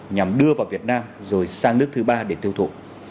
nhằm đưa vào việt nam rồi sang nước thứ ba để tiêu thụ